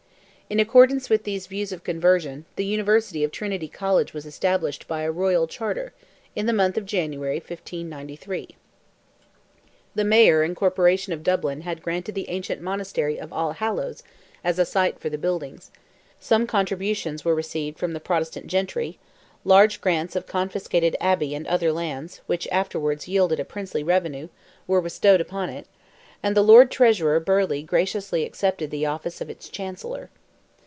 In accordance with these views of conversion, the University of Trinity College was established by a royal charter, in the month of January, 1593. The Mayor and Corporation of Dublin had granted the ancient monastery of All Hallows as a site for the buildings; some contributions were received from the Protestant gentry, large grants of confiscated Abbey and other lands, which afterwards yielded a princely revenue, were bestowed upon it, and the Lord Treasurer Burleigh graciously accepted the office of its Chancellor.